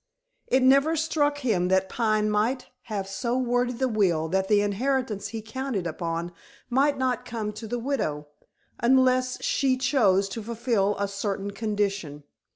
It never struck him that Pine might have so worded the will that the inheritance he counted upon might not come to the widow, unless she chose to fulfil a certain condition.